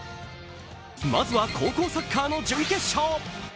まずは高校サッカーの準決勝。